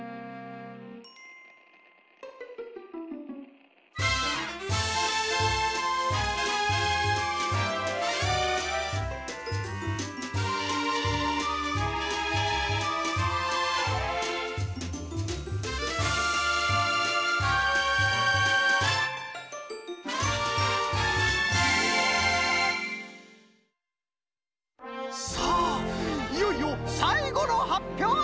いよいよさいごのはっぴょうです！